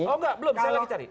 oh enggak belum saya lagi cari